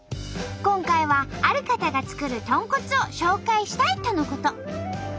今回はある方が作る「とんこつ」を紹介したいとのこと。